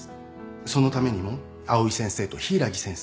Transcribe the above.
そのためにも藍井先生と柊木先生